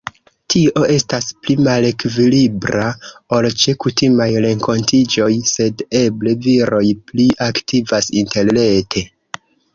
Tio estas pli malekvilibra ol ĉe kutimaj renkontiĝoj, sed eble viroj pli aktivas interrete.